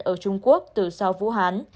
ở trung quốc từ sau vũ hán